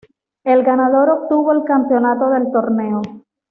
El ganador obtuvo el campeonato del torneo.